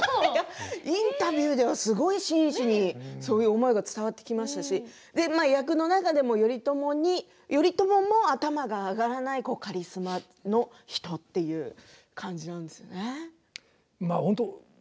インタビューではすごい真摯にそういう思いが伝わってきましたし役の中でも頼朝も頭が上がらないカリスマカリスマの人という感じなんですよね。